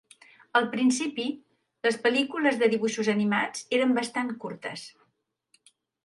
Al principi, les pel·lícules de dibuixos animats eren bastant curtes.